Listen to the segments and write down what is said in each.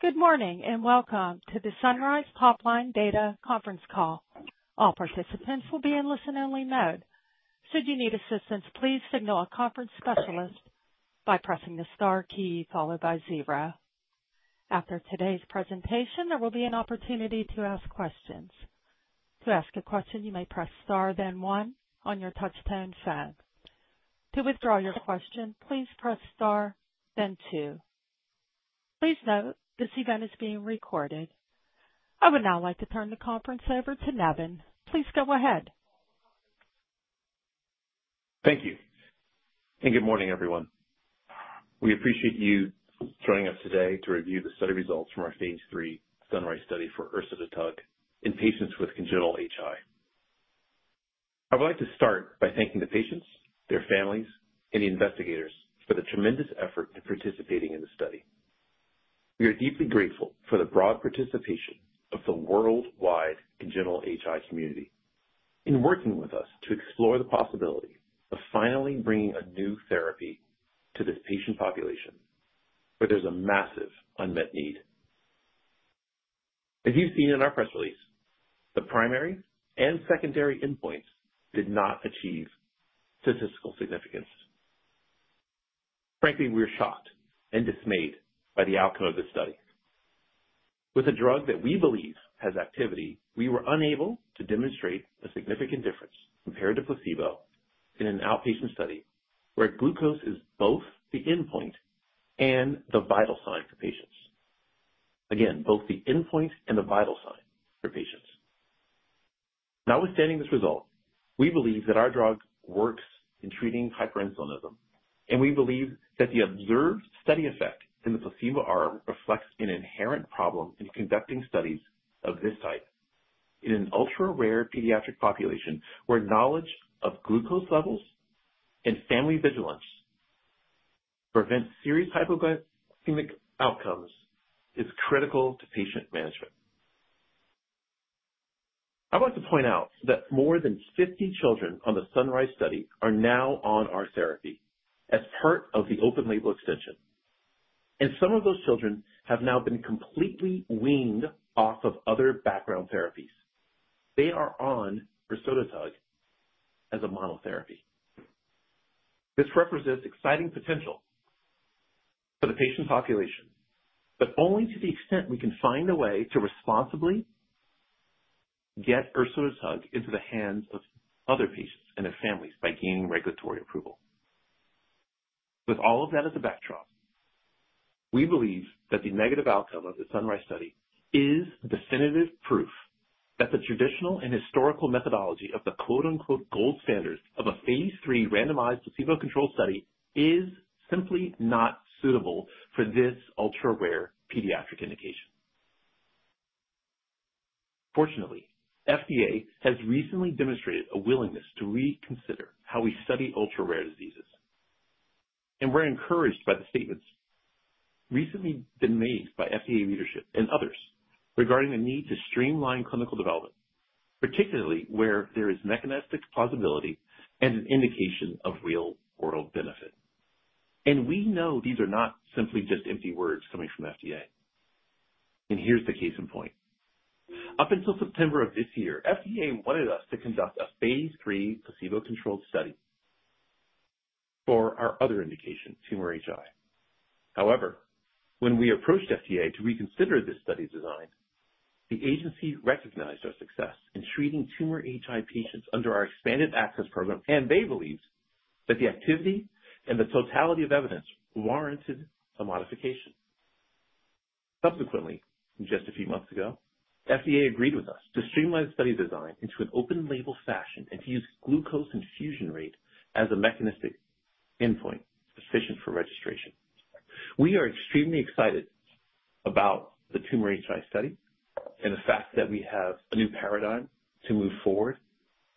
Good morning and welcome to the Sunrise Pipeline Data Conference Call. All participants will be in listen-only mode. Should you need assistance, please signal a conference specialist by pressing the star key followed by zero. After today's presentation, there will be an opportunity to ask questions. To ask a question, you may press star, then one, on your touch-tone phone. To withdraw your question, please press star, then two. Please note this event is being recorded. I would now like to turn the conference over to Nevan. Please go ahead. Thank you. And good morning, everyone. We appreciate you joining us today to review the study results from our Phase III Sunrise study for ersodetug in patients with congenital HI. I would like to start by thanking the patients, their families, and the investigators for the tremendous effort to participating in the study. We are deeply grateful for the broad participation of the worldwide congenital HI community in working with us to explore the possibility of finally bringing a new therapy to this patient population where there's a massive unmet need. As you've seen in our press release, the primary and secondary endpoints did not achieve statistical significance. Frankly, we're shocked and dismayed by the outcome of this study. With a drug that we believe has activity, we were unable to demonstrate a significant difference compared to placebo in an outpatient study where glucose is both the endpoint and the vital sign for patients. Again, both the endpoint and the vital sign for patients. Notwithstanding this result, we believe that our drug works in treating hyperinsulinism, and we believe that the observed study effect in the placebo arm reflects an inherent problem in conducting studies of this type in an ultra-rare pediatric population where knowledge of glucose levels and family vigilance prevents serious hypoglycemic outcomes is critical to patient management. I want to point out that more than 50 children on the Sunrise study are now on our therapy as part of the open-label extension. Some of those children have now been completely weaned off of other background therapies. They are on ersodetug as a monotherapy. This represents exciting potential for the patient population, but only to the extent we can find a way to responsibly get ersodetug into the hands of other patients and their families by gaining regulatory approval. With all of that as a backdrop, we believe that the negative outcome of the Sunrise study is definitive proof that the traditional and historical methodology of the "gold standard" of a Phase III randomized placebo-controlled study is simply not suitable for this ultra-rare pediatric indication. Fortunately, FDA has recently demonstrated a willingness to reconsider how we study ultra-rare diseases. And we're encouraged by the statements recently been made by FDA leadership and others regarding the need to streamline clinical development, particularly where there is mechanistic plausibility and an indication of real-world benefit. And we know these are not simply just empty words coming from FDA. And here's the case in point. Up until September of this year, FDA wanted us to conduct a Phase III placebo-controlled study for our other indication, tumor HI. However, when we approached FDA to reconsider this study design, the agency recognized our success in treating tumor HI patients under our expanded access program, and they believed that the activity and the totality of evidence warranted a modification. Subsequently, just a few months ago, FDA agreed with us to streamline the study design into an open-label fashion and to use glucose infusion rate as a mechanistic endpoint sufficient for registration. We are extremely excited about the tumor HI study and the fact that we have a new paradigm to move forward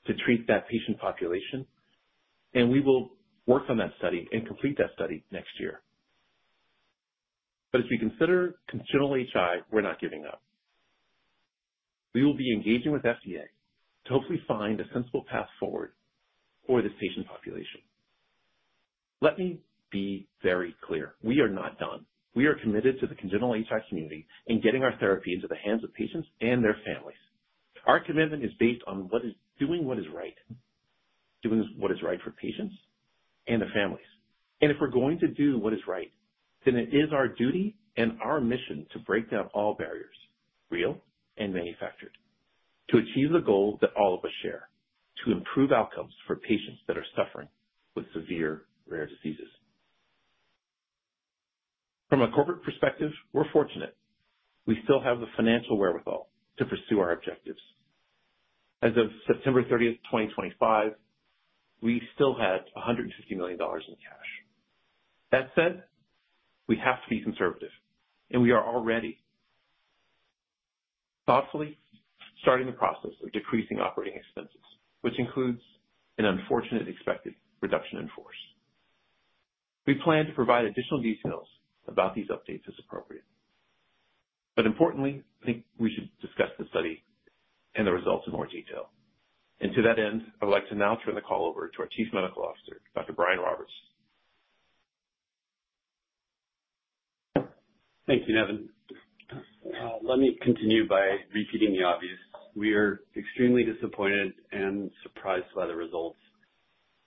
to treat that patient population, and we will work on that study and complete that study next year, but as we consider congenital HI, we're not giving up. We will be engaging with FDA to hopefully find a sensible path forward for this patient population. Let me be very clear. We are not done. We are committed to the congenital HI community and getting our therapy into the hands of patients and their families. Our commitment is based on doing what is right, doing what is right for patients and their families. And if we're going to do what is right, then it is our duty and our mission to break down all barriers, real and manufactured, to achieve the goal that all of us share: to improve outcomes for patients that are suffering with severe rare diseases. From a corporate perspective, we're fortunate. We still have the financial wherewithal to pursue our objectives. As of September 30th, 2025, we still had $150 million in cash. That said, we have to be conservative, and we are already thoughtfully starting the process of decreasing operating expenses, which includes an unfortunate expected reduction in force. We plan to provide additional details about these updates as appropriate. But importantly, I think we should discuss the study and the results in more detail. And to that end, I would like to now turn the call over to our Chief Medical Officer, Dr. Brian Roberts. Thank you, Nevan. Let me continue by repeating the obvious. We are extremely disappointed and surprised by the results,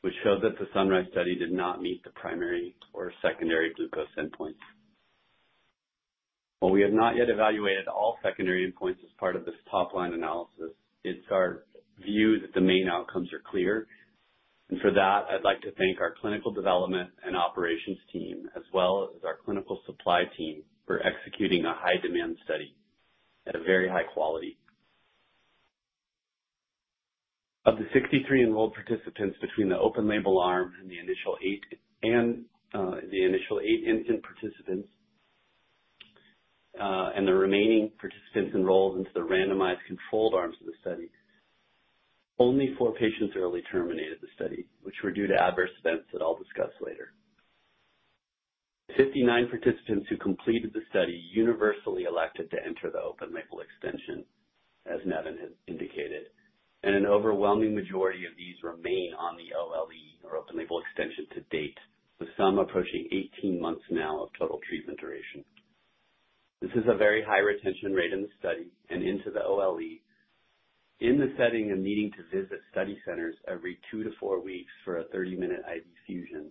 which showed that the Sunrise study did not meet the primary or secondary glucose endpoints. While we have not yet evaluated all secondary endpoints as part of this top-line analysis, it's our view that the main outcomes are clear. And for that, I'd like to thank our clinical development and operations team, as well as our clinical supply team for executing a high-demand study at a very high quality. Of the 63 enrolled participants between the open-label arm and the initial eight infant participants and the remaining participants enrolled into the randomized controlled arms of the study, only four patients early terminated the study, which were due to adverse events that I'll discuss later. 59 participants who completed the study universally elected to enter the open-label extension, as Nevan had indicated. An overwhelming majority of these remain on the OLE, or open-label extension, to date, with some approaching 18 months now of total treatment duration. This is a very high retention rate in the study and into the OLE. In the setting of needing to visit study centers every two to four weeks for a 30-minute IV infusion,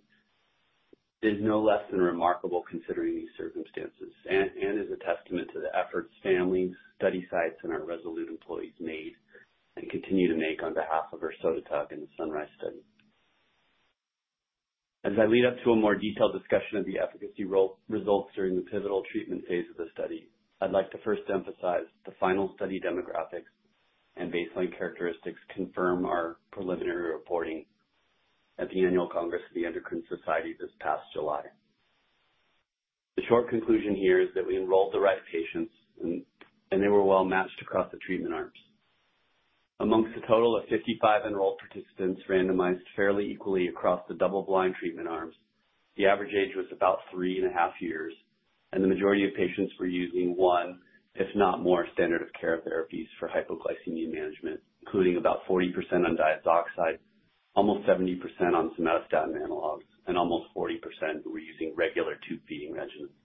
it is no less than remarkable considering these circumstances and is a testament to the efforts families, study sites, and our Rezolute employees made and continue to make on behalf of ersodetug and the Sunrise study. As I lead up to a more detailed discussion of the efficacy results during the pivotal treatment phase of the study, I'd like to first emphasize the final study demographics and baseline characteristics confirm our preliminary reporting at the annual congress of the Endocrine Society this past July. The short conclusion here is that we enrolled the right patients, and they were well matched across the treatment arms. Among a total of 55 enrolled participants randomized fairly equally across the double-blind treatment arms, the average age was about three and a half years, and the majority of patients were using one, if not more, standard of care therapies for hypoglycemia management, including about 40% on diazoxide, almost 70% on somatostatin analogs, and almost 40% were using regular tube feeding regimens.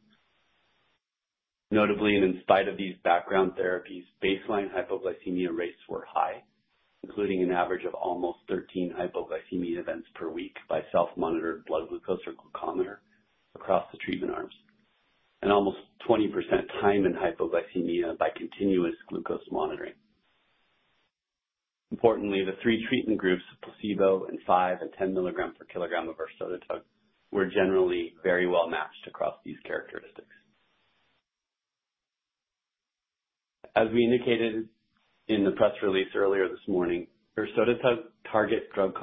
Notably, and in spite of these background therapies, baseline hypoglycemia rates were high, including an average of almost 13 hypoglycemia events per week by self-monitored blood glucose or glucometer across the treatment arms, and almost 20% time in hypoglycemia by continuous glucose monitoring. Importantly, the three treatment groups, placebo and 5 and 10 milligrams per kilogram of ersodetug, were generally very well matched across these characteristics. As we indicated in the press release earlier this morning, ersodetug target drug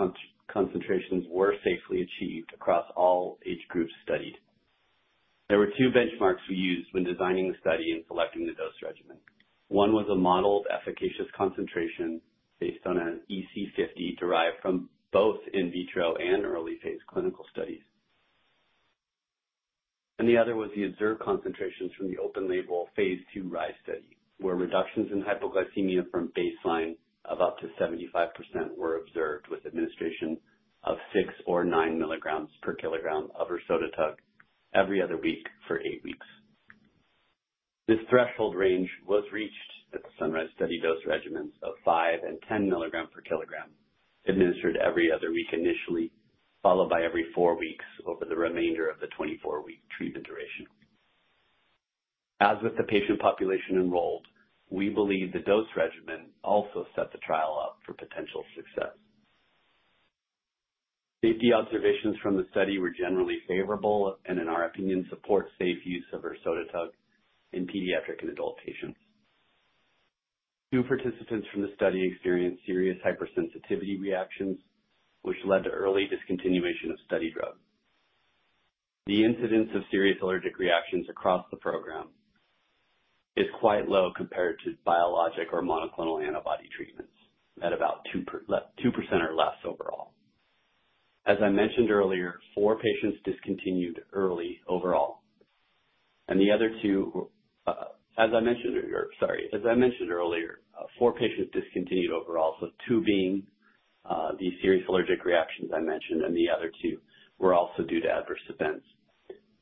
concentrations were safely achieved across all age groups studied. There were two benchmarks we used when designing the study and selecting the dose regimen. One was a model of efficacious concentration based on an EC50 derived from both in vitro and early phase clinical studies. The other was the observed concentrations from the open-label Phase II RISE study, where reductions in hypoglycemia from baseline of up to 75% were observed with administration of six or nine milligrams per kilogram of ersodetug every other week for eight weeks. This threshold range was reached at the Sunrise study dose regimens of five and 10 milligrams per kilogram administered every other week initially, followed by every four weeks over the remainder of the 24-week treatment duration. As with the patient population enrolled, we believe the dose regimen also set the trial up for potential success. Safety observations from the study were generally favorable and, in our opinion, support safe use of ersodetug in pediatric and adult patients. Two participants from the study experienced serious hypersensitivity reactions, which led to early discontinuation of study drug. The incidence of serious allergic reactions across the program is quite low compared to biologic or monoclonal antibody treatments at about 2% or less overall. As I mentioned earlier, four patients discontinued overall, so two being the serious allergic reactions I mentioned, and the other two were also due to adverse events.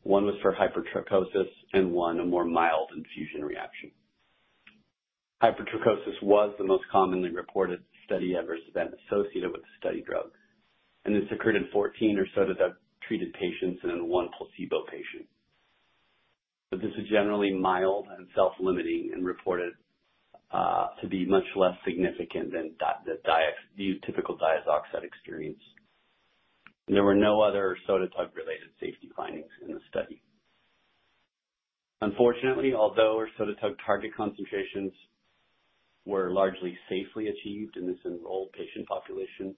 One was for hypertrichosis and one a more mild infusion reaction. Hypertrichosis was the most commonly reported study adverse event associated with the study drug. This occurred in 14 ersodetug-treated patients and in one placebo patient. This was generally mild and self-limiting and reported to be much less significant than the typical diazoxide experience. There were no other ersodetug-related safety findings in the study. Unfortunately, although ersodetug target concentrations were largely safely achieved in this enrolled patient population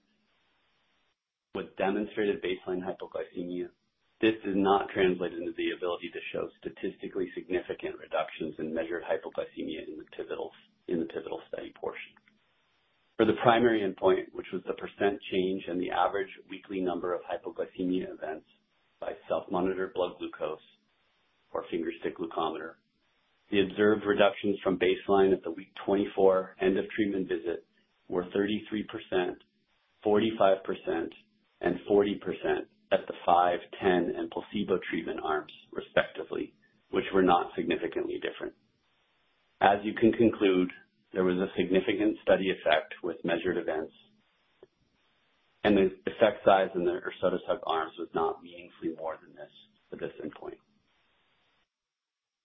with demonstrated baseline hypoglycemia, this did not translate into the ability to show statistically significant reductions in measured hypoglycemia in the pivotal study portion. For the primary endpoint, which was the percent change in the average weekly number of hypoglycemia events by self-monitored blood glucose or fingerstick glucometer, the observed reductions from baseline at the week 24 end of treatment visit were 33%, 45%, and 40% at the 5, 10, and placebo treatment arms, respectively, which were not significantly different. As you can conclude, there was a significant study effect with measured events, and the effect size in the ersodetug arms was not meaningfully more than this at this endpoint.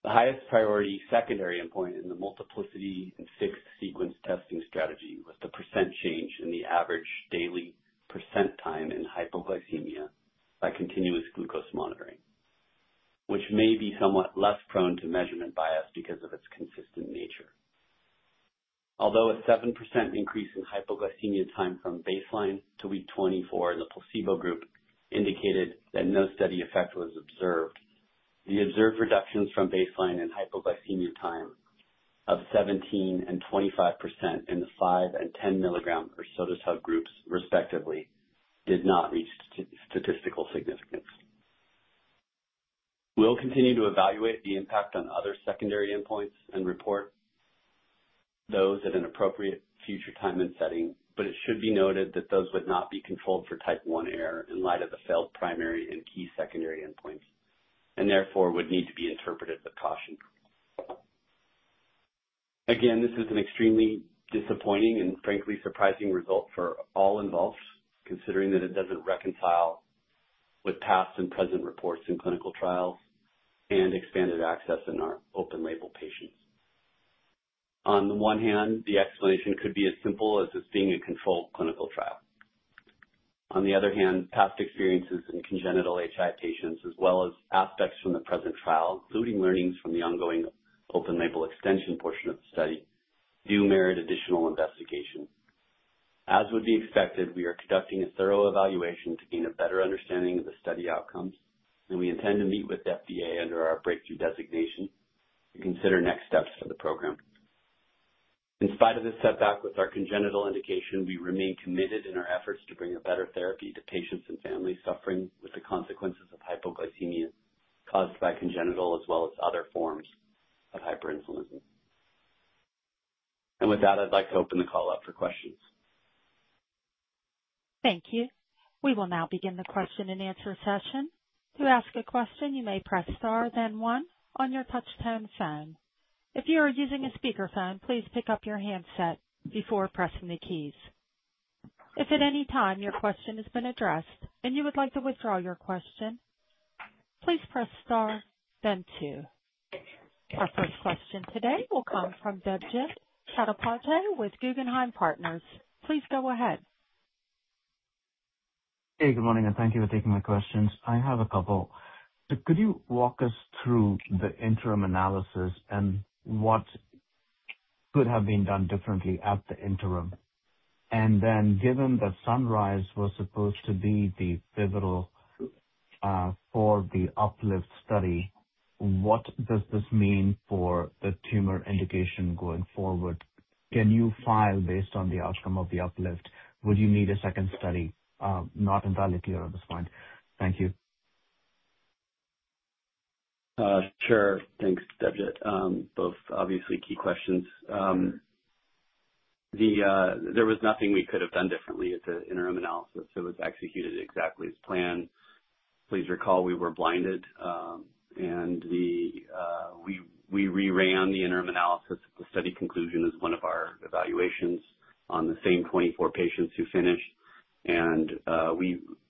The highest priority secondary endpoint in the multiplicity and fixed sequence testing strategy was the percent change in the average daily percent time in hypoglycemia by continuous glucose monitoring, which may be somewhat less prone to measurement bias because of its consistent nature. Although a 7% increase in hypoglycemia time from baseline to week 24 in the placebo group indicated that no study effect was observed, the observed reductions from baseline in hypoglycemia time of 17% and 25% in the five- and 10-milligram ersodetug groups, respectively, did not reach statistical significance. We'll continue to evaluate the impact on other secondary endpoints and report those at an appropriate future time and setting, but it should be noted that those would not be controlled for type 1 error in light of the failed primary and key secondary endpoints and therefore would need to be interpreted with caution. Again, this is an extremely disappointing and frankly surprising result for all involved, considering that it doesn't reconcile with past and present reports in clinical trials and expanded access in our open-label patients. On the one hand, the explanation could be as simple as this being a controlled clinical trial. On the other hand, past experiences in congenital HI patients, as well as aspects from the present trial, including learnings from the ongoing open-label extension portion of the study, do merit additional investigation. As would be expected, we are conducting a thorough evaluation to gain a better understanding of the study outcomes, and we intend to meet with FDA under our breakthrough designation to consider next steps for the program. In spite of this setback with our congenital indication, we remain committed in our efforts to bring a better therapy to patients and families suffering with the consequences of hypoglycemia caused by congenital as well as other forms of hyperinsulinism. And with that, I'd like to open the call up for questions. Thank you. We will now begin the question and answer session. To ask a question, you may press star, then one, on your touch-tone phone. If you are using a speakerphone, please pick up your handset before pressing the keys. If at any time your question has been addressed and you would like to withdraw your question, please press star, then two. Our first question today will come from Debjit Chattopadhyay with Guggenheim Partners. Please go ahead. Hey, good morning, and thank you for taking my questions. I have a couple. So could you walk us through the interim analysis and what could have been done differently at the interim? And then, given that Sunrise was supposed to be the pivotal for the Uplift study, what does this mean for the tumor indication going forward? Can you file based on the outcome of the Uplift? Would you need a second study? Not entirely clear at this point. Thank you. Sure. Thanks, Debjit. Both obviously key questions. There was nothing we could have done differently at the interim analysis. It was executed exactly as planned. Please recall we were blinded, and we re-ran the interim analysis. The study conclusion is one of our evaluations on the same 24 patients who finished, and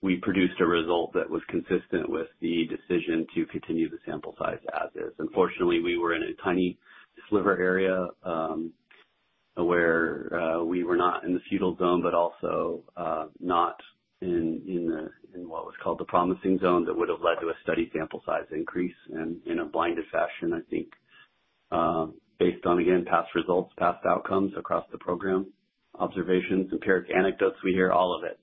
we produced a result that was consistent with the decision to continue the sample size as is. Unfortunately, we were in a tiny sliver area where we were not in the pseudo-zone but also not in what was called the promising zone that would have led to a study sample size increase in a blinded fashion, I think, based on, again, past results, past outcomes across the program, observations, empiric anecdotes. We hear all of it.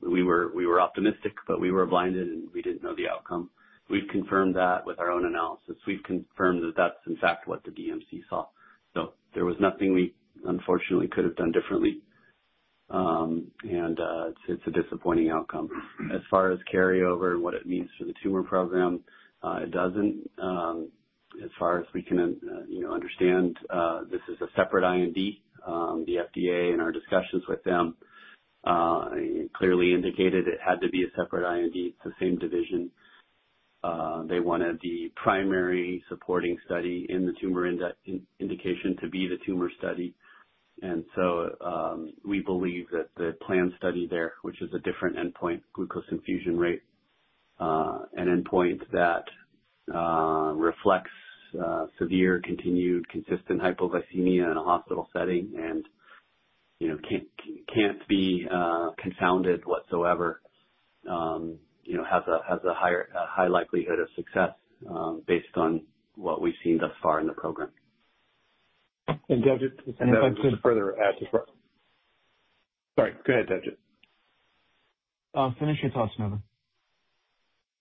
We were optimistic, but we were blinded, and we didn't know the outcome. We've confirmed that with our own analysis. We've confirmed that that's, in fact, what the DMC saw. So there was nothing we, unfortunately, could have done differently, and it's a disappointing outcome. As far as carryover and what it means for the tumor program, it doesn't. As far as we can understand, this is a separate IND. The FDA, in our discussions with them, clearly indicated it had to be a separate IND. It's the same division. They wanted the primary supporting study in the tumor indication to be the tumor study. And so we believe that the planned study there, which is a different endpoint, glucose infusion rate, an endpoint that reflects severe, continued, consistent hypoglycemia in a hospital setting and can't be confounded whatsoever, has a high likelihood of success based on what we've seen thus far in the program. Debjit, if I could. And if I could just further add to. Sorry. Go ahead, Debjit. Finish your thoughts, Nevan.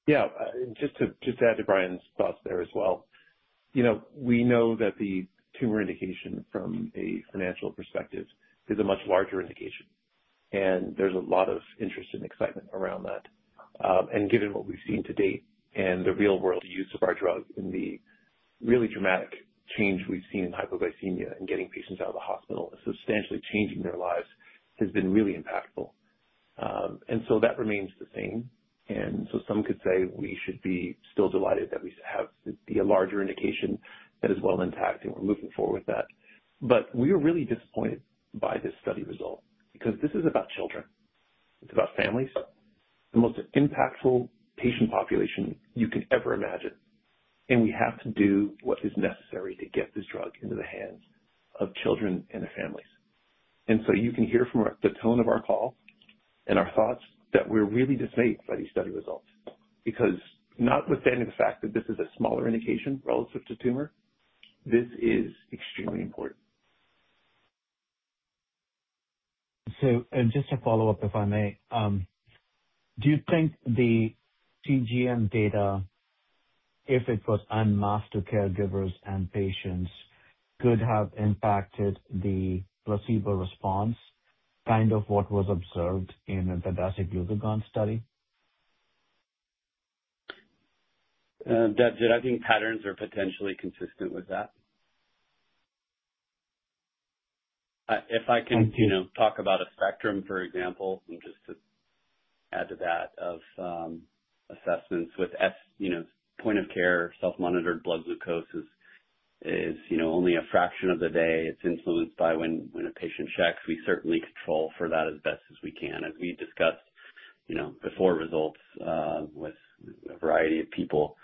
Yeah. Just to add to Brian's thoughts there as well. We know that the tumor indication from a financial perspective is a much larger indication, and there's a lot of interest and excitement around that. And given what we've seen to date and the real-world use of our drug and the really dramatic change we've seen in hypoglycemia and getting patients out of the hospital and substantially changing their lives has been really impactful. And so that remains the same. And so some could say we should be still delighted that we have a larger indication that is well intact, and we're moving forward with that. But we are really disappointed by this study result because this is about children. It's about families, the most impactful patient population you can ever imagine. And we have to do what is necessary to get this drug into the hands of children and their families. And so you can hear from the tone of our call and our thoughts that we're really dismayed by these study results because, notwithstanding the fact that this is a smaller indication relative to tumor, this is extremely important. So just to follow up, if I may, do you think the CGM data, if it was unmasked to caregivers and patients, could have impacted the placebo response, kind of what was observed in the Dasiglucagon study? Debjit, I think patterns are potentially consistent with that. If I can talk about a spectrum, for example, and just to add to that of assessments with point-of-care self-monitored blood glucose is only a fraction of the day. It's influenced by when a patient checks. We certainly control for that as best as we can. As we discussed before results with a variety of people,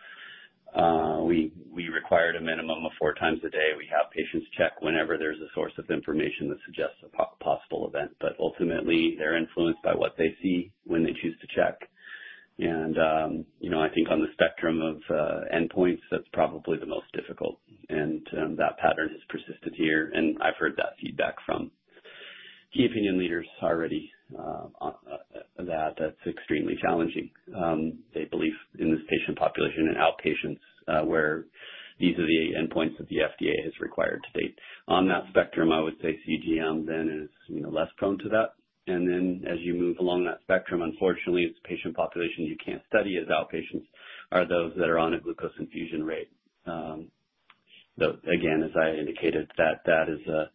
we required a minimum of four times a day. We have patients check whenever there's a source of information that suggests a possible event, but ultimately, they're influenced by what they see when they choose to check. And I think on the spectrum of endpoints, that's probably the most difficult. And that pattern has persisted here. And I've heard that feedback from key opinion leaders already that that's extremely challenging. They believe in this patient population and outpatients where these are the endpoints that the FDA has required to date. On that spectrum, I would say CGM then is less prone to that, and then, as you move along that spectrum, unfortunately, it's patient population you can't study as outpatients are those that are on a glucose infusion rate, so again, as I indicated, that is an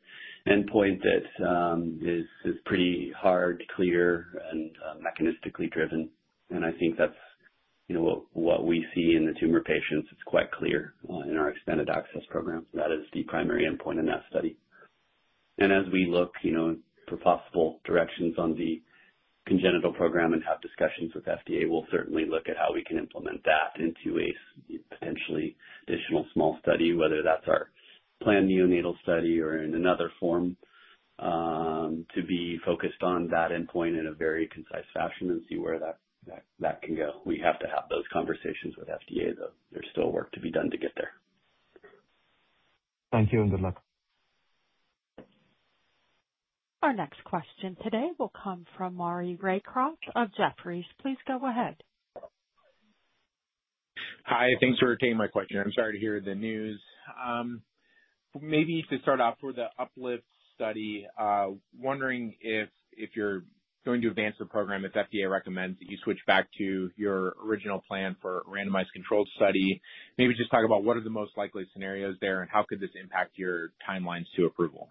endpoint that is pretty hard, clear, and mechanistically driven, and I think that's what we see in the tumor patients. It's quite clear in our expanded access program. That is the primary endpoint in that study. And as we look for possible directions on the congenital program and have discussions with FDA, we'll certainly look at how we can implement that into a potentially additional small study, whether that's our planned neonatal study or in another form, to be focused on that endpoint in a very concise fashion and see where that can go. We have to have those conversations with FDA, though. There's still work to be done to get there. Thank you and good luck. Our next question today will come from Maury Raycroft of Jefferies. Please go ahead. Hi. Thanks for taking my question. I'm sorry to hear the news. Maybe to start off with the Uplift study, wondering if you're going to advance the program if FDA recommends that you switch back to your original plan for randomized controlled study. Maybe just talk about what are the most likely scenarios there and how could this impact your timelines to approval?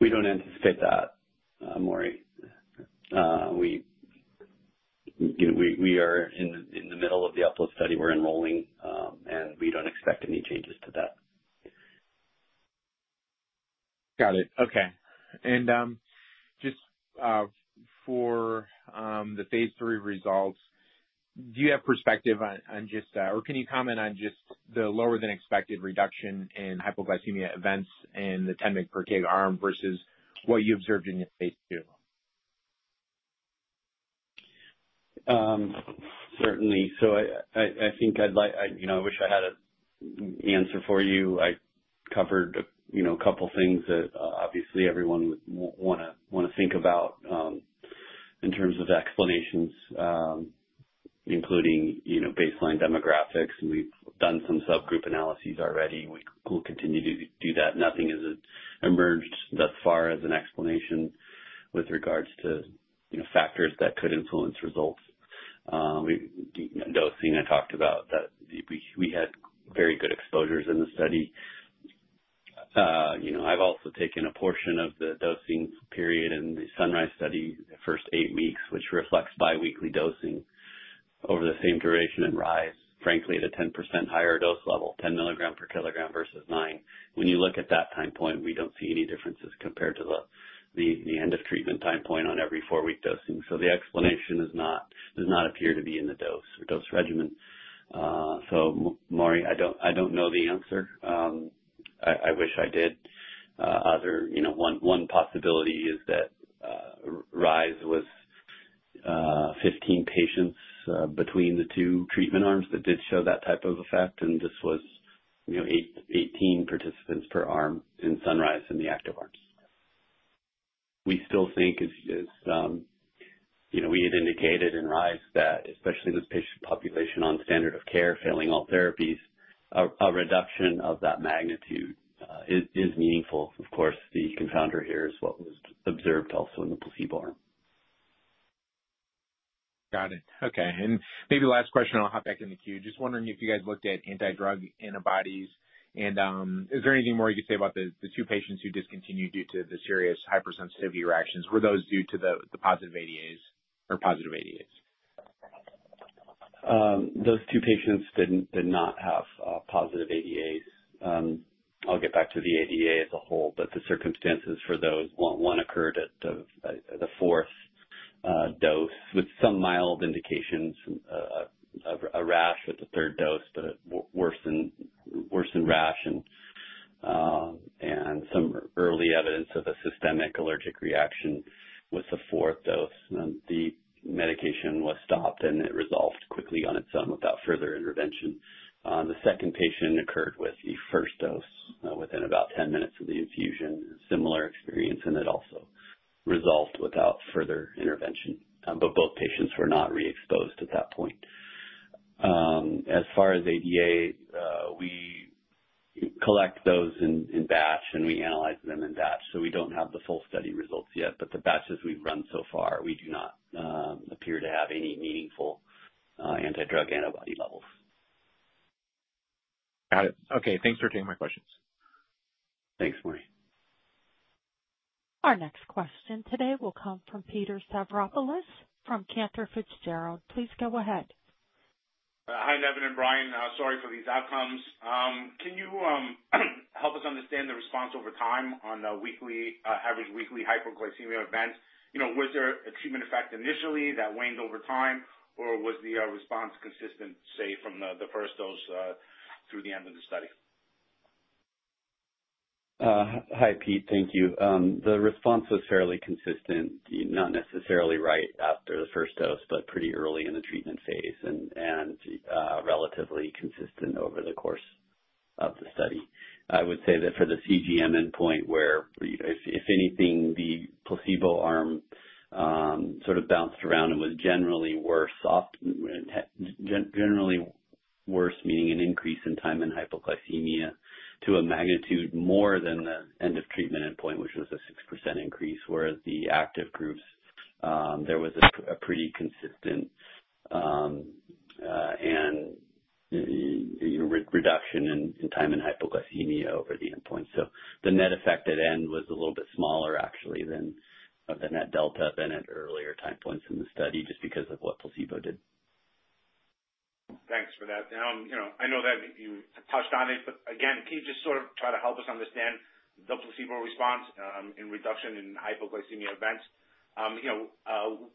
We don't anticipate that, Maury. We are in the middle of the Uplift study. We're enrolling, and we don't expect any changes to that. Got it. Okay. And just for the Phase III results, do you have perspective on just or can you comment on just the lower-than-expected reduction in hypoglycemia events in the 10-mg/kg arm versus what you observed in your Phase II? Certainly. So I think I'd like. I wish I had an answer for you. I covered a couple of things that obviously everyone would want to think about in terms of explanations, including baseline demographics. We've done some subgroup analyses already. We'll continue to do that. Nothing has emerged thus far as an explanation with regards to factors that could influence results. Dosing, I talked about that we had very good exposures in the study. I've also taken a portion of the dosing period in the Sunrise study, the first eight weeks, which reflects biweekly dosing over the same duration and rise, frankly, at a 10% higher dose level, 10 milligrams per kilogram versus 9. When you look at that time point, we don't see any differences compared to the end-of-treatment time point on every four-week dosing. So the explanation does not appear to be in the dose or dose regimen. So, Maury, I don't know the answer. I wish I did. One possibility is that RISE was 15 patients between the two treatment arms that did show that type of effect, and this was 18 participants per arm in Sunrise in the active arms. We still think, as we had indicated in RISE, that especially this patient population on standard of care failing all therapies, a reduction of that magnitude is meaningful. Of course, the confounder here is what was observed also in the placebo arm. Got it. Okay. And maybe last question. I'll hop back in the queue. Just wondering if you guys looked at anti-drug antibodies. And is there anything more you could say about the two patients who discontinued due to the serious hypersensitivity reactions? Were those due to the positive ADAs or positive ADAs? Those two patients did not have positive ADAs. I'll get back to the ADA as a whole, but the circumstances for those, one occurred at the fourth dose with some mild indications of a rash with the third dose, but worsened rash and some early evidence of a systemic allergic reaction with the fourth dose. The medication was stopped, and it resolved quickly on its own without further intervention. The second patient occurred with the first dose within about 10 minutes of the infusion. Similar experience, and it also resolved without further intervention. But both patients were not re-exposed at that point. As far as ADA, we collect those in batch, and we analyze them in batch. So we don't have the full study results yet, but the batches we've run so far, we do not appear to have any meaningful antidrug antibody levels. Got it. Okay. Thanks for taking my questions. Thanks, Maury. Our next question today will come from Pete Stavropoulos from Cantor Fitzgerald. Please go ahead. Hi, Nevan and Brian. Sorry for these outcomes. Can you help us understand the response over time on average weekly hypoglycemia events? Was there a treatment effect initially that waned over time, or was the response consistent, say, from the first dose through the end of the study? Hi, Pete. Thank you. The response was fairly consistent, not necessarily right after the first dose, but pretty early in the treatment phase and relatively consistent over the course of the study. I would say that for the CGM endpoint, where if anything, the placebo arm sort of bounced around and was generally worse, generally worse, meaning an increase in time in hypoglycemia to a magnitude more than the end-of-treatment endpoint, which was a 6% increase, whereas the active groups, there was a pretty consistent and reduction in time in hypoglycemia over the endpoint. So the net effect at end was a little bit smaller, actually, than the net delta than at earlier time points in the study just because of what placebo did. Thanks for that. I know that you touched on it, but again, can you just sort of try to help us understand the placebo response in reduction in hypoglycemia events?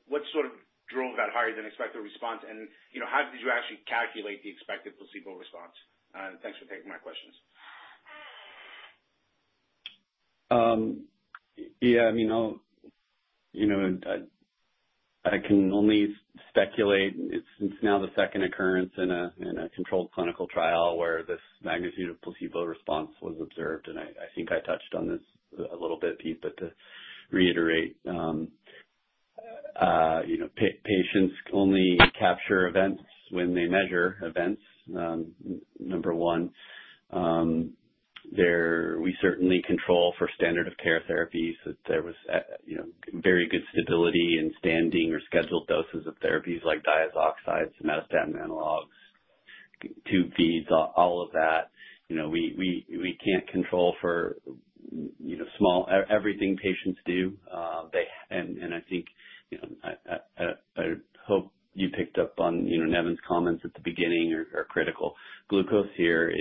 What sort of drove that higher-than-expected response? And how did you actually calculate the expected placebo response? Thanks for taking my questions. Yeah. I mean, I can only speculate. It's now the second occurrence in a controlled clinical trial where this magnitude of placebo response was observed. And I think I touched on this a little bit, Pete, but to reiterate, patients only capture events when they measure events, number one. We certainly control for standard of care therapies that there was very good stability in standing or scheduled doses of therapies like diazoxides, somatostatin analogs, tube feeds, all of that. We can't control for everything patients do. And I think I hope you picked up on Nevan's comments at the beginning are critical. Glucose here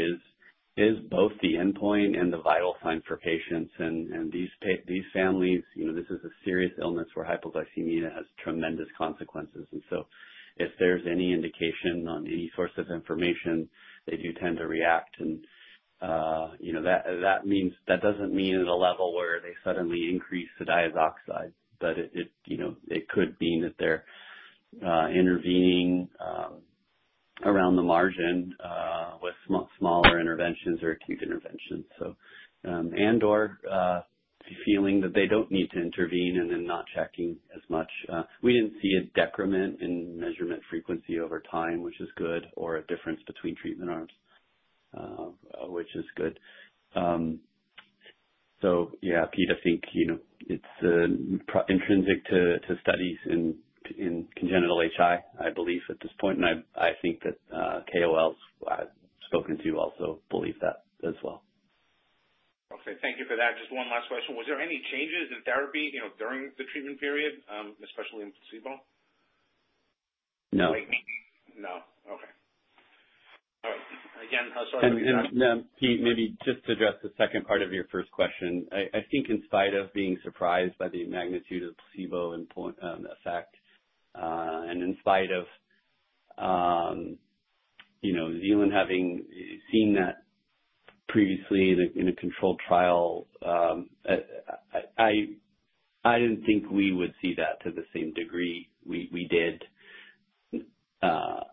is both the endpoint and the vital sign for patients. And these families, this is a serious illness where hypoglycemia has tremendous consequences. And so if there's any indication on any source of information, they do tend to react. And that doesn't mean at a level where they suddenly increase the Diazoxide, but it could mean that they're intervening around the margin with smaller interventions or acute interventions. And/or feeling that they don't need to intervene and then not checking as much. We didn't see a decrement in measurement frequency over time, which is good, or a difference between treatment arms, which is good. So yeah, Pete, I think it's intrinsic to studies in congenital HI, I believe, at this point. And I think that KOLs I've spoken to also believe that as well. Okay. Thank you for that. Just one last question. Was there any changes in therapy during the treatment period, especially in placebo? No. No. Okay. All right. Again, sorry to interrupt. And Pete, maybe just to address the second part of your first question. I think in spite of being surprised by the magnitude of placebo effect and in spite of Zealand having seen that previously in a controlled trial, I didn't think we would see that to the same degree we did.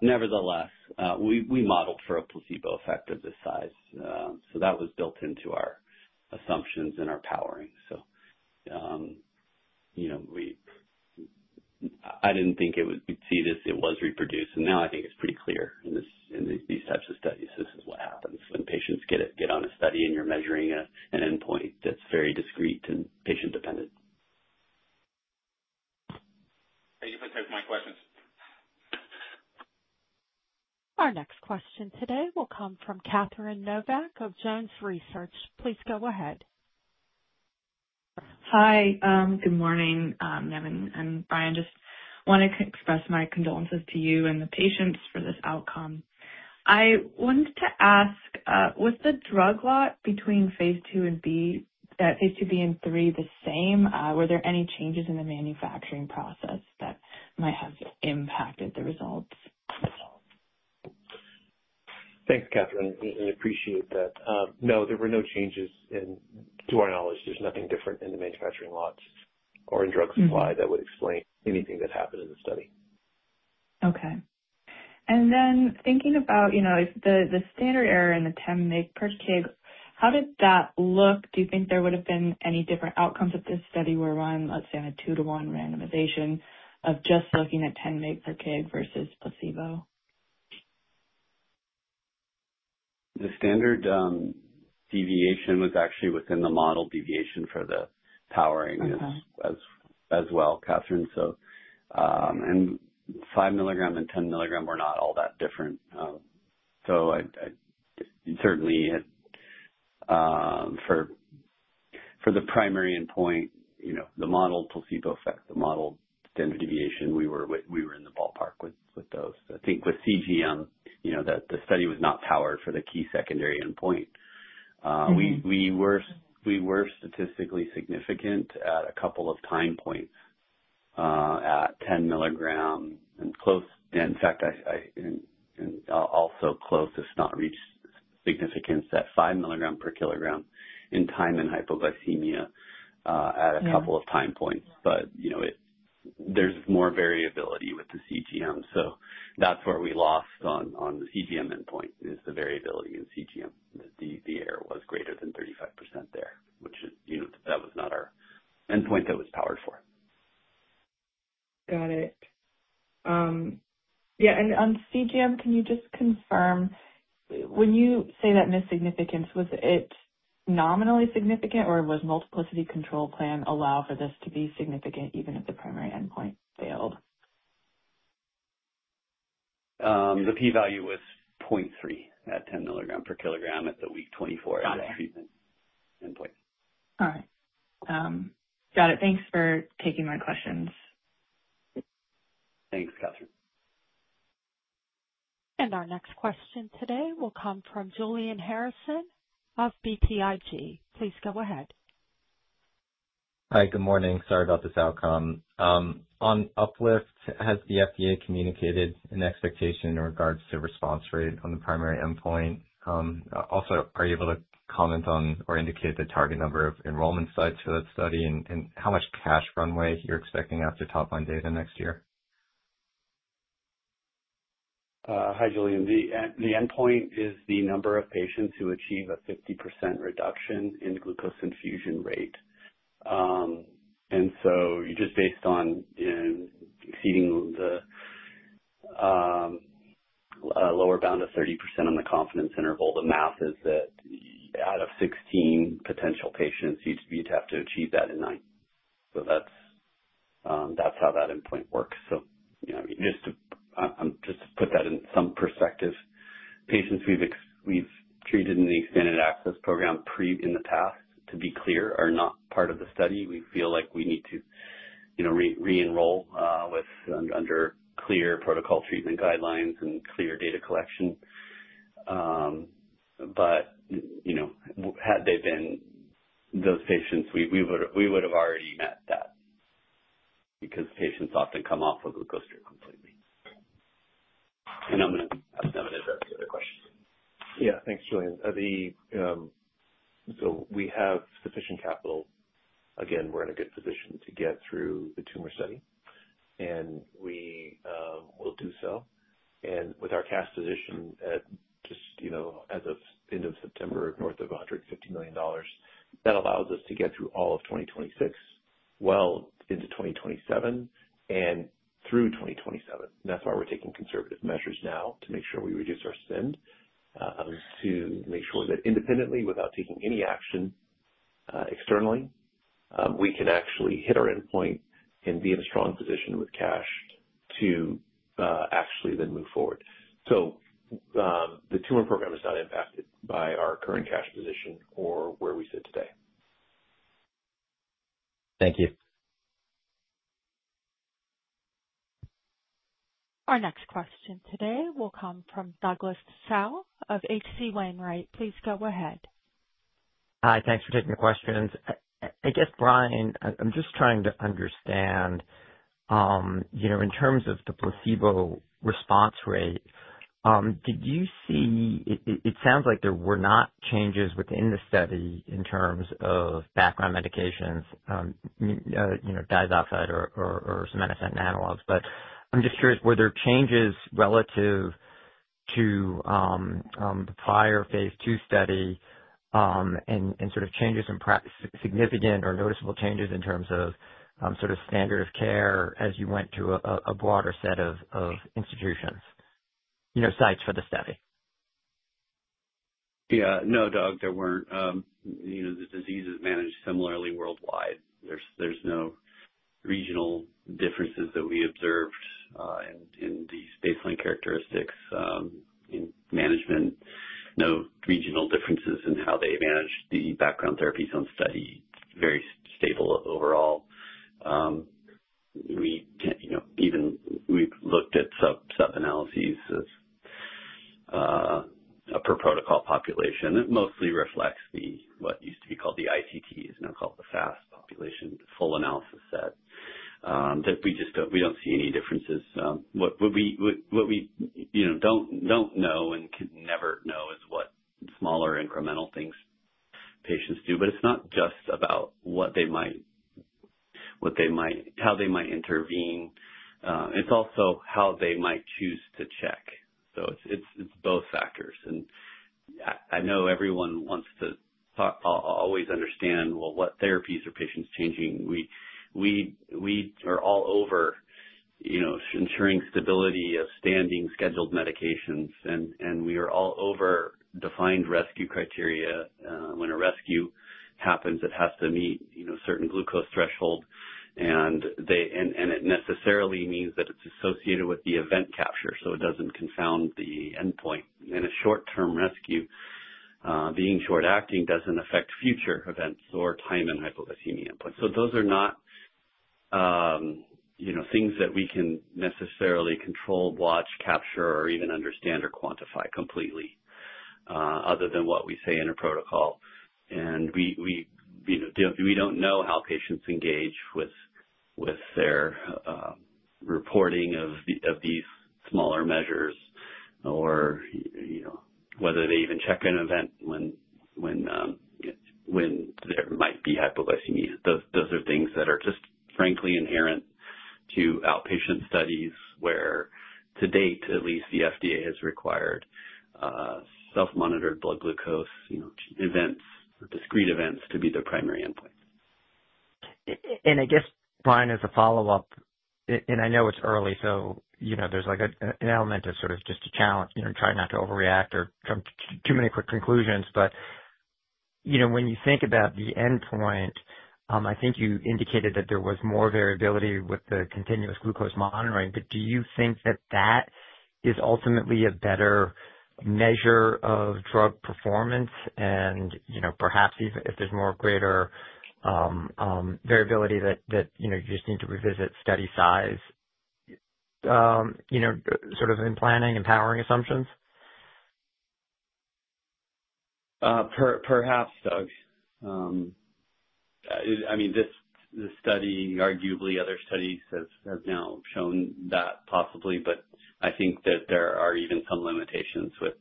Nevertheless, we modeled for a placebo effect of this size. So that was built into our assumptions and our powering. So I didn't think we'd see this. It was reproduced. And now I think it's pretty clear in these types of studies. This is what happens when patients get on a study and you're measuring an endpoint that's very discrete and patient-dependent. Thank you for taking my questions. Our next question today will come from Catherine Novack of Jones Research. Please go ahead. Hi. Good morning, Nevan and Brian. Just wanted to express my condolences to you and the patients for this outcome. I wanted to ask, was the drug lot between Phase IIb and Phase III the same? Were there any changes in the manufacturing process that might have impacted the results? Thanks, Catherine. We appreciate that. No, there were no changes. To our knowledge, there's nothing different in the manufacturing lots or in drug supply that would explain anything that happened in the study. Okay, and then thinking about the standard error in the 10-mg/kg, how did that look? Do you think there would have been any different outcomes if this study were run, let's say, on a two-to-one randomization of just looking at 10-mg/kg versus placebo? The standard deviation was actually within the modeled deviation for the powering as well, Catherine. And 5 mg and 10 mg were not all that different. So certainly, for the primary endpoint, the modeled placebo effect, the modeled standard deviation, we were in the ballpark with those. I think with CGM, the study was not powered for the key secondary endpoint. We were statistically significant at a couple of time points at 10 mg and close, in fact, and also close if not reached significance at 5 mg/kg in time in hypoglycemia at a couple of time points. But there's more variability with the CGM. So that's where we lost on the CGM endpoint is the variability in CGM, that the error was greater than 35% there, which was not our endpoint that was powered for. Got it. Yeah. And on CGM, can you just confirm, when you say that missed significance, was it nominally significant, or was multiplicity control plan allow for this to be significant even if the primary endpoint failed? The p-value was 0.3 at 10 mg/kg at the week 24 at the treatment endpoint. All right. Got it. Thanks for taking my questions. Thanks, Catherine. Our next question today will come from Julian Harrison of BTIG. Please go ahead. Hi. Good morning. Sorry about this outcome. On Uplift, has the FDA communicated an expectation in regards to response rate on the primary endpoint? Also, are you able to comment on or indicate the target number of enrollment sites for that study and how much cash runway you're expecting after top-line data next year? Hi, Julian. The endpoint is the number of patients who achieve a 50% reduction in glucose infusion rate. And so just based on exceeding the lower bound of 30% on the confidence interval, the math is that out of 16 potential patients, you'd have to achieve that in nine. So that's how that endpoint works. So just to put that in some perspective, patients we've treated in the expanded access program in the past, to be clear, are not part of the study. We feel like we need to re-enroll under clear protocol treatment guidelines and clear data collection. But had they been those patients, we would have already met that because patients often come off of glucose completely. And I'm going to ask Nevan to address the other questions. Yeah. Thanks, Julian. So we have sufficient capital. Again, we're in a good position to get through the tumor study, and we will do so, and with our cash position just as of end of September, north of $150 million, that allows us to get through all of 2026, well into 2027, and through 2027, and that's why we're taking conservative measures now to make sure we reduce our spend to make sure that independently, without taking any action externally, we can actually hit our endpoint and be in a strong position with cash to actually then move forward, so the tumor program is not impacted by our current cash position or where we sit today. Thank you. Our next question today will come from Douglas Tsao of H.C. Wainwright & Co. Please go ahead. Hi. Thanks for taking the questions. I guess, Brian, I'm just trying to understand in terms of the placebo response rate. Did you see? It sounds like there were not changes within the study in terms of background medications, diazoxide or somatostatin analogs. But I'm just curious, were there changes relative to the prior Phase II study and sort of changes in significant or noticeable changes in terms of sort of standard of care as you went to a broader set of institutions, sites for the study? Yeah. No, Doug, there weren't. The disease is managed similarly worldwide. There's no regional differences that we observed in these baseline characteristics in management. No regional differences in how they managed the background therapies on study. It's very stable overall. Even we've looked at sub-analyses per protocol population. It mostly reflects what used to be called the ICT, is now called the FAST population, the full analysis set. We don't see any differences. What we don't know and can never know is what smaller incremental things patients do. But it's not just about what they might, how they might intervene. It's also how they might choose to check. So it's both factors. And I know everyone wants to always understand, well, what therapies are patients changing? We are all over ensuring stability of standing scheduled medications. And we are all over defined rescue criteria. When a rescue happens, it has to meet certain glucose thresholds. And it necessarily means that it's associated with the event capture so it doesn't confound the endpoint. And a short-term rescue, being short-acting, doesn't affect future events or time in hypoglycemia endpoints. So those are not things that we can necessarily control, watch, capture, or even understand or quantify completely other than what we say in a protocol. And we don't know how patients engage with their reporting of these smaller measures or whether they even check an event when there might be hypoglycemia. Those are things that are just frankly inherent to outpatient studies where, to date, at least, the FDA has required self-monitored blood glucose events, discrete events to be the primary endpoint. I guess, Brian, as a follow-up, and I know it's early, so there's an element of sort of just a challenge in trying not to overreact or come to too many quick conclusions. But when you think about the endpoint, I think you indicated that there was more variability with the continuous glucose monitoring. But do you think that that is ultimately a better measure of drug performance? And perhaps if there's more greater variability that you just need to revisit study size sort of in planning and powering assumptions? Perhaps, Doug. I mean, this study, arguably other studies have now shown that possibly, but I think that there are even some limitations with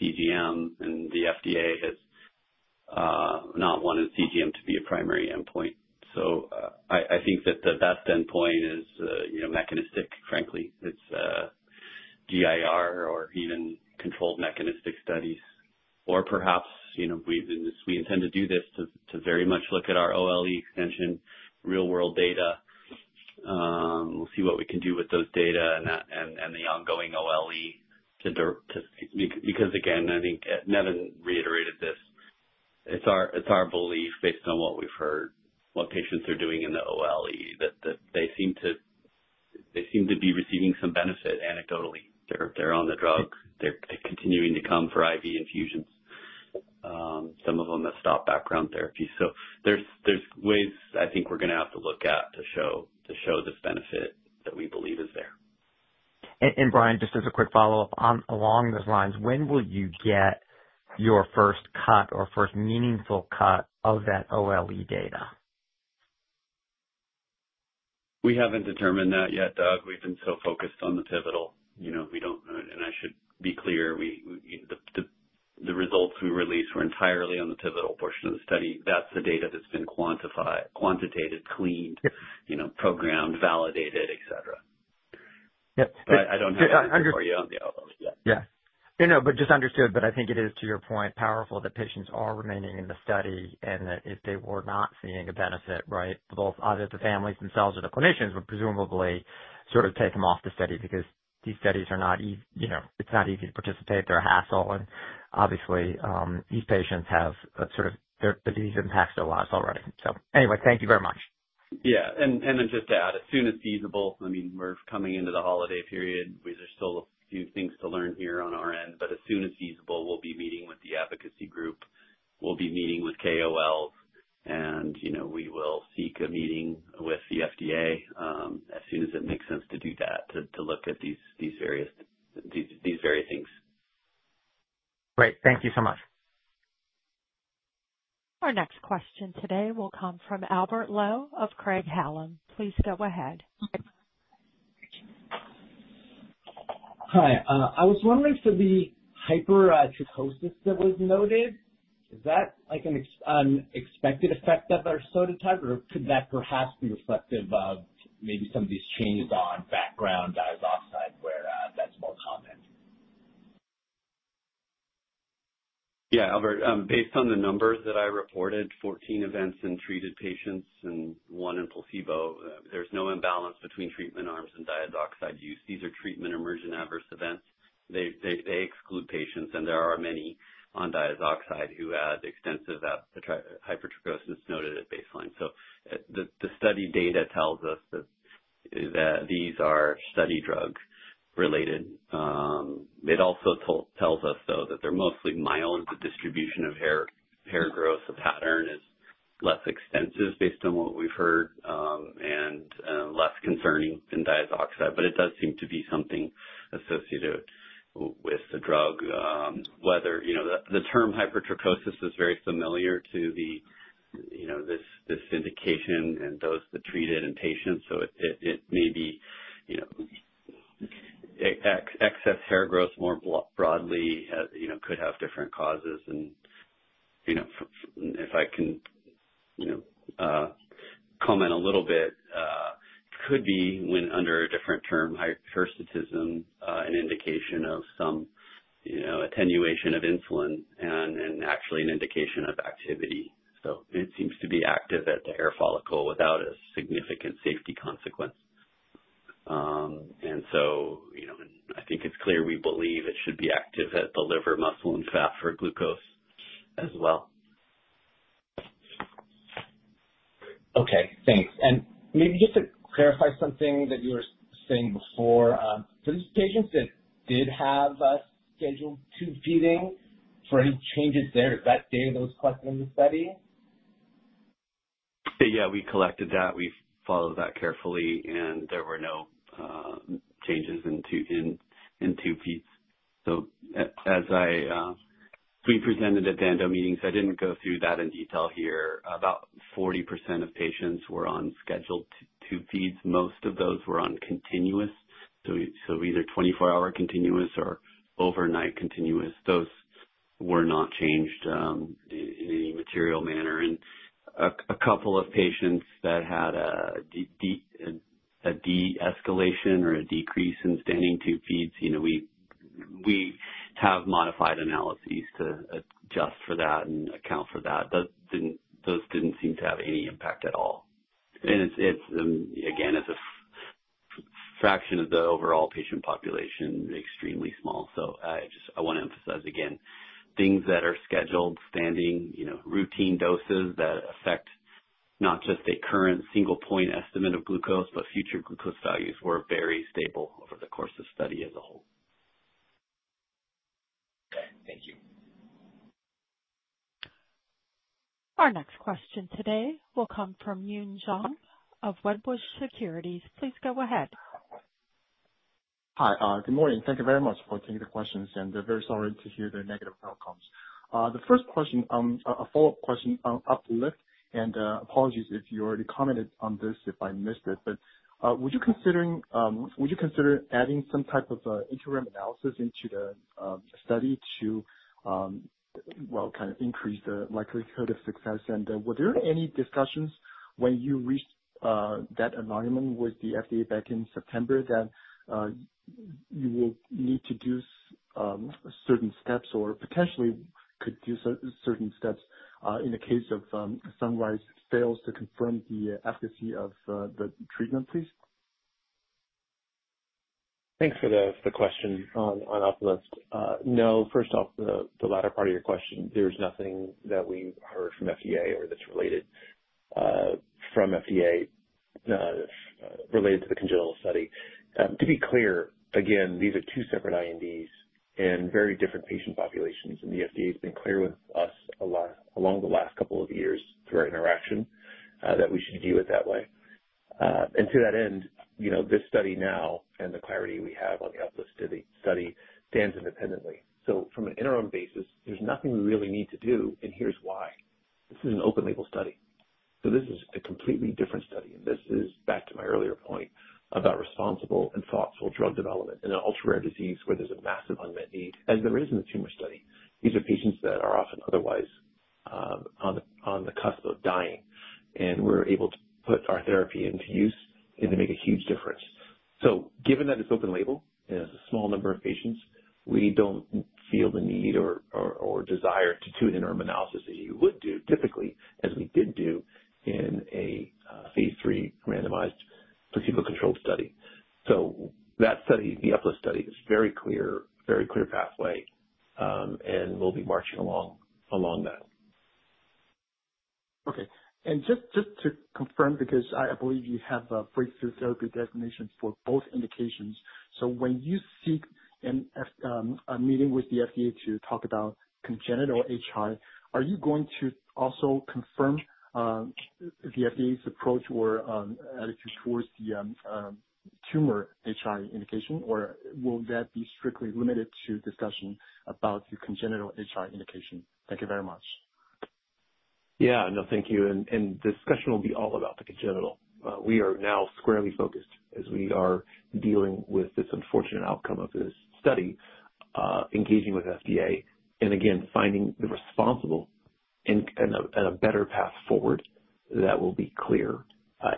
CGM, and the FDA has not wanted CGM to be a primary endpoint, so I think that the best endpoint is mechanistic, frankly. It's GIR or even controlled mechanistic studies, or perhaps we intend to do this to very much look at our OLE extension, real-world data. We'll see what we can do with those data and the ongoing OLE too because, again, I think Nevan reiterated this. It's our belief based on what we've heard, what patients are doing in the OLE, that they seem to be receiving some benefit anecdotally. They're on the drug. They're continuing to come for IV infusions. Some of them have stopped background therapy. So there's ways I think we're going to have to look at to show this benefit that we believe is there. Brian, just as a quick follow-up along those lines, when will you get your first cut or first meaningful cut of that OLE data? We haven't determined that yet, Doug. We've been so focused on the pivotal. And I should be clear, the results we release were entirely on the pivotal portion of the study. That's the data that's been quantitated, cleaned, programmed, validated, etc. Yep. I don't have to answer for you. Yeah. No, no. But just understood. But I think it is, to your point, powerful that patients are remaining in the study and that if they were not seeing a benefit, right, both either the families themselves or the clinicians would presumably sort of take them off the study because these studies are not. It's not easy to participate. They're a hassle. And obviously, these patients have sort of the disease impacts their lives already. So anyway, thank you very much. Yeah. And then, just to add, as soon as feasible, I mean, we're coming into the holiday period. There's still a few things to learn here on our end. But as soon as feasible, we'll be meeting with the advocacy group. We'll be meeting with KOLs. And we will seek a meeting with the FDA as soon as it makes sense to do that, to look at these various things. Great. Thank you so much. Our next question today will come from Albert Lowe of Craig-Hallum. Please go ahead. Hi. I was wondering for the hypertrichosis that was noted, is that an expected effect of ersodetug, or could that perhaps be reflective of maybe some of these changes on background diazoxide where that's more common? Yeah, Albert. Based on the numbers that I reported, 14 events in treated patients and one in placebo, there's no imbalance between treatment arms and diazoxide use. These are treatment-emergent adverse events. They exclude patients, and there are many on diazoxide who had extensive hypertrichosis noted at baseline, so the study data tells us that these are study drug-related. It also tells us, though, that they're mostly mild. The distribution of hair growth, the pattern is less extensive based on what we've heard and less concerning than diazoxide, but it does seem to be something associated with the drug. The term hypertrichosis is very familiar to this indication and those that treat it and patients, so it may be excess hair growth more broadly could have different causes. If I can comment a little bit, it could be under a different term, hypertrichosis, an indication of some attenuation of insulin and actually an indication of activity. It seems to be active at the hair follicle without a significant safety consequence. I think it's clear we believe it should be active at the liver, muscle, and fat for glucose as well. Okay. Thanks. Maybe just to clarify something that you were saying before, for these patients that did have scheduled tube feeding, for any changes there, did the data from those questions in the study? Yeah. We collected that. We followed that carefully. And there were no changes in tube feeds. So as we presented at the annual meetings, I didn't go through that in detail here. About 40% of patients were on scheduled tube feeds. Most of those were on continuous. So either 24-hour continuous or overnight continuous. Those were not changed in any material manner. And a couple of patients that had a de-escalation or a decrease in standing tube feeds, we have modified analyses to adjust for that and account for that. Those didn't seem to have any impact at all. And again, as a fraction of the overall patient population, extremely small. So I want to emphasize again, things that are scheduled standing, routine doses that affect not just a current single-point estimate of glucose, but future glucose values were very stable over the course of study as a whole. Okay. Thank you. Our next question today will come from Yun Zhong of Wedbush Securities. Please go ahead. Hi. Good morning. Thank you very much for taking the questions. And very sorry to hear the negative outcomes. The first question, a follow-up question on Uplift. And apologies if you already commented on this if I missed it. But would you consider adding some type of interim analysis into the study to, well, kind of increase the likelihood of success? And were there any discussions when you reached that alignment with the FDA back in September that you will need to do certain steps or potentially could do certain steps in the case of Sunrise fails to confirm the efficacy of the treatment, please? Thanks for the question on Uplift. No. First off, the latter part of your question, there's nothing that we've heard from FDA or that's related from FDA related to the congenital study. To be clear, again, these are two separate INDs and very different patient populations. And the FDA has been clear with us along the last couple of years through our interaction that we should view it that way. And to that end, this study now and the clarity we have on the Uplift study stands independently. So from an interim basis, there's nothing we really need to do. And here's why. This is an open-label study. So this is a completely different study. And this is back to my earlier point about responsible and thoughtful drug development in an ultra-rare disease where there's a massive unmet need as there is in the tumor study. These are patients that are often otherwise on the cusp of dying. And we're able to put our therapy into use and to make a huge difference. So given that it's open-label and it's a small number of patients, we don't feel the need or desire to do an interim analysis as you would do typically, as we did do in a Phase III randomized placebo-controlled study. So that study, the Uplift study, is a very clear pathway. And we'll be marching along that. Okay. And just to confirm, because I believe you have a breakthrough therapy designation for both indications. So when you seek a meeting with the FDA to talk about congenital HI, are you going to also confirm the FDA's approach or attitude toward the tumor HI indication, or will that be strictly limited to discussion about the congenital HI indication? Thank you very much. Yeah. No, thank you. And the discussion will be all about the congenital. We are now squarely focused as we are dealing with this unfortunate outcome of this study, engaging with FDA, and again, finding the responsible and a better path forward that will be clear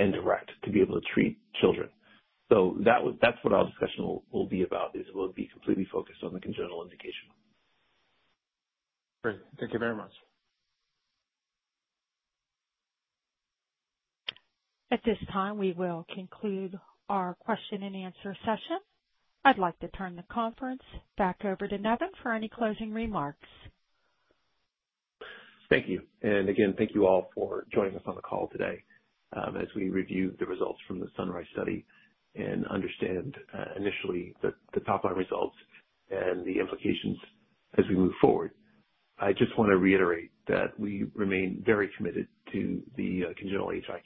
and direct to be able to treat children. So that's what our discussion will be about, is we'll be completely focused on the congenital indication. Great. Thank you very much. At this time, we will conclude our question and answer session. I'd like to turn the conference back over to Nevan for any closing remarks. Thank you, and again, thank you all for joining us on the call today as we review the results from the Sunrise study and understand initially the top-line results and the implications as we move forward. I just want to reiterate that we remain very committed to the congenital HI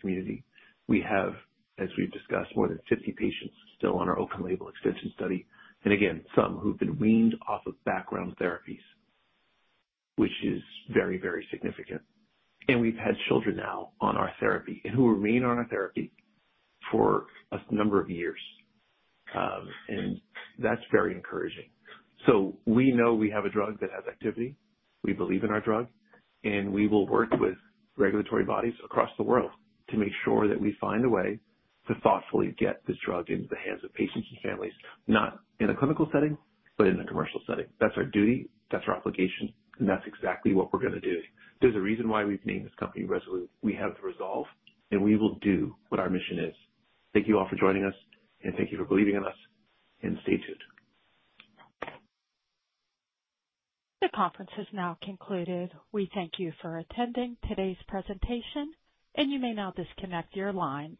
community. We have, as we've discussed, more than 50 patients still on our open-label extension study, and again, some who've been weaned off of background therapies, which is very, very significant. And we've had children now on our therapy and who remain on our therapy for a number of years. And that's very encouraging. So we know we have a drug that has activity. We believe in our drug. And we will work with regulatory bodies across the world to make sure that we find a way to thoughtfully get this drug into the hands of patients and families, not in a clinical setting, but in a commercial setting. That's our duty. That's our obligation. And that's exactly what we're going to do. There's a reason why we've named this company Rezolute. We have the resolve. And we will do what our mission is. Thank you all for joining us. And thank you for believing in us. And stay tuned. The conference has now concluded. We thank you for attending today's presentation. You may now disconnect your line.